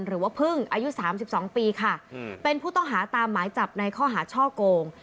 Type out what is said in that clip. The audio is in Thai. หรือว่าพึ่งอายุ๓๒ปีค่ะเป็นผู้ต้องหาตามหมายจับในข้อหาช่อโกง